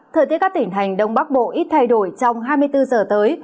thời tiết các tỉnh hành đông bắc bộ ít thay đổi trong hai mươi bốn giờ tới